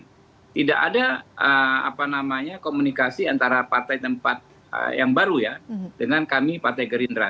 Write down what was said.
ketika ini ya tidak ada apa namanya komunikasi antara partai tempat yang baru ya dengan kami partai gerindra